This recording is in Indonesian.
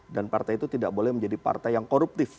dan partai itu tidak boleh menjadi partai yang koruptif